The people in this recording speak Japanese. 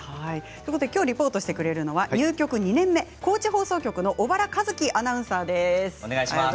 きょうリポートしてくれるのは入局２年目、高知放送局の小原和樹アナウンサーです。